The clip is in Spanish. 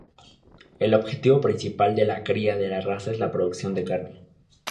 El objetivo principal de la cría de la raza es la producción de carne.